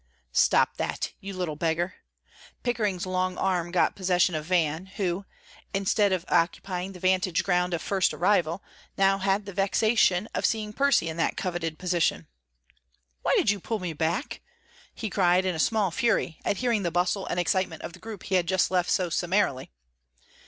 "Stop that, you little beggar." Pickering's long arm got possession of Van, who, instead of occupying the vantage ground of first arrival, had now the vexation of seeing Percy in that coveted position. "Why did you pull me back?" he cried in a small fury at hearing the bustle and excitement of the group he had just left so summarily.